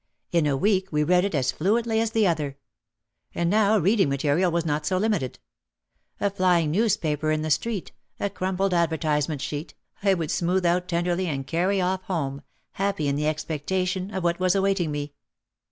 In a week we read it as fluently as the other. And now reading material was not so limited. A flying news paper in the street, a crumpled advertisement sheet, I would smooth out tenderly and carry off home, happy in the expectation of what was awaiting me.